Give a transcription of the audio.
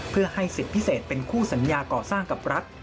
เพื่อให้สิทธิ์พิเศษเป็นคู่สัญญาก่อสร้างกับรัฐ